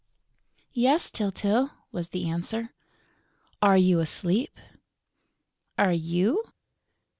"Yes, Tyltyl?" was the answer. "Are you asleep?" "Are you?"